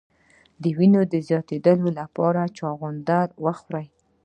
د وینې د زیاتوالي لپاره چغندر وخورئ